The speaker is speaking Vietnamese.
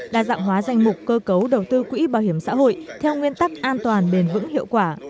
đa dạng hóa danh mục cơ cấu đầu tư quỹ bảo hiểm xã hội theo nguyên tắc an toàn bền vững hiệu quả